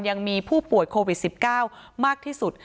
ยังมีผู้ป่วยโควิด๑๙มากที่สุด